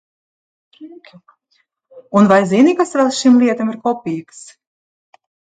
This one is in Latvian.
Un vai zini, kas vēl šīm lietām ir kopīgs?